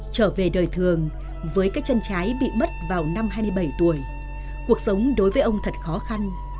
trở về đời thường với cái chân trái bị mất vào năm hai mươi bảy tuổi cuộc sống đối với ông thật khó khăn